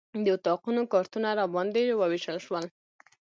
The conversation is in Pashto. د اتاقونو کارتونه راباندې وویشل شول.